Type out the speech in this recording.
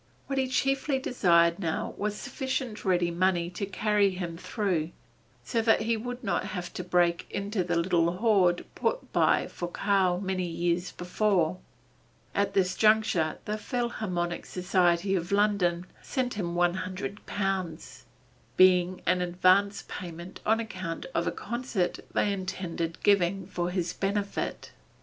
What he chiefly desired now was sufficient ready money to carry him through, so that he would not have to break into the little hoard put by for Karl many years before. At this juncture the Philharmonic Society of London sent him one hundred pounds, being an advance payment on account of a concert they intended giving for his benefit.